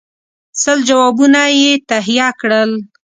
سل جوابونه یې تهیه کړل.